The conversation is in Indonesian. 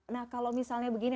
nah kalau misalnya begini